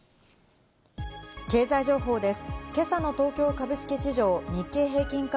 経済情報です。